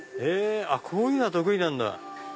こういうのが得意なんだ。